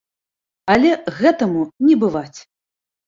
Але гэтаму не бываць!